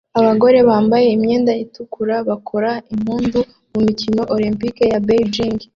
Abagore bambaye imyenda itukura bakora impundu mu mikino Olempike ya Beijing